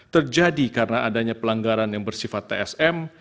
terjadi karena adanya pelanggaran yang bersifat tsm